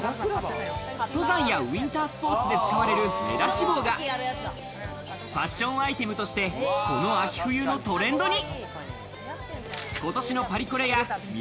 登山やウィンタースポーツで使われる目だし帽がファッションアイテムとしてこの秋冬のトレンドに。